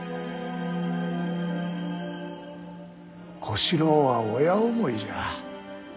小四郎は親思いじゃ。